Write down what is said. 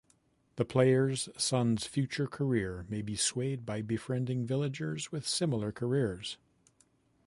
The player's son's future career may be swayed by befriending villagers with similar careers.